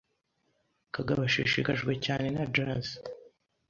Kagabo ashishikajwe cyane na jazz.